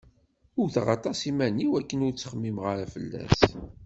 Wwteɣ aṭas iman-iw akken ur ttxemmimeɣ ara fell-as.